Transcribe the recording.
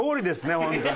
本当に。